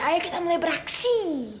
ayo kita mulai beraksi